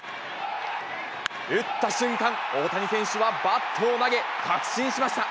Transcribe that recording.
打った瞬間、大谷選手はバットを投げ、確信しました。